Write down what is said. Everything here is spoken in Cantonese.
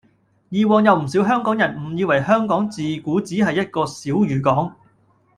以往有唔少香港人誤以為香港自古只係一個小漁港